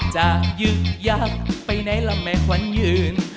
จะยึกยักษ์ไปไหนล่ะแม่ขวัญยืน